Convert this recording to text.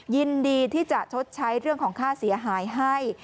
ยินดีที่จะชดใช้เรื่องของค่าเสียหายให้